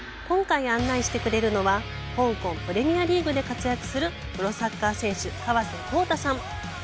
今回、案内してくれるのは、香港プレミアリーグで活躍するプロサッカー選手、川瀬浩太さん。